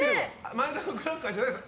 前田のクラッカーじゃないです